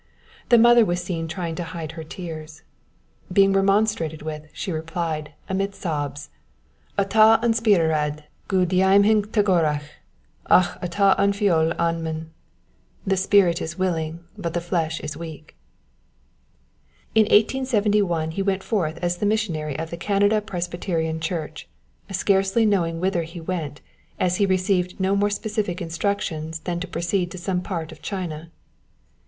The mother was seen trying to hide her tears. Being remonstrated with, she replied, amid sobs: "A ta an spiorad gu deimhin togarrach ach a ta an fheoil anmhunn" (The spirit is willing, but the flesh is weak). In 1871 he went forth as the missionary of the Canada Presbyterian Church, scarcely knowing whither he went, as he received no more specific instructions than to proceed to some part of China.